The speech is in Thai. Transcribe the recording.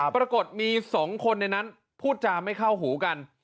ปรากฏมี๒คนในนั้นพูดจาไม่เข้าหูกัน